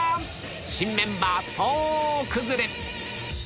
新メンバー総崩れ